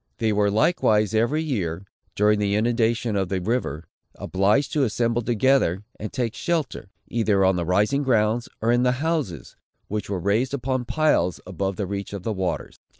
They were, likewise, every year, during the inundation of the river, obliged to assemble together, and take shelter, either on the rising grounds, or in the houses, which were raised upon piles, above the reach of the waters.